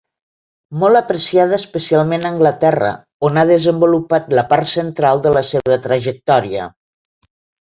Molt apreciada especialment a Anglaterra on ha desenvolupat la part central de la seva trajectòria.